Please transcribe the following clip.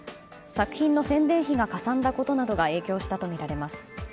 作品の宣伝費がかさんだことなどが影響したとみられます。